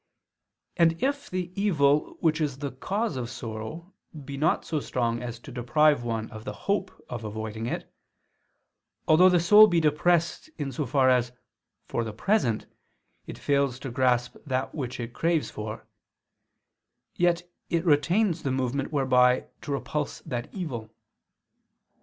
And if the evil which is the cause of sorrow be not so strong as to deprive one of the hope of avoiding it, although the soul be depressed in so far as, for the present, it fails to grasp that which it craves for; yet it retains the movement whereby to repulse that evil.